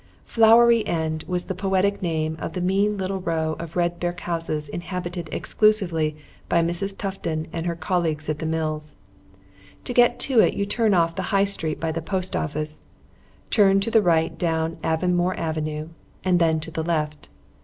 Flowery End was the poetic name of the mean little row of red brick houses inhabited exclusively by Mrs. Tufton and her colleagues at the mills. To get to it you turn off the High Street by the Post Office, turn to the right down Avonmore Avenue, and then to the left.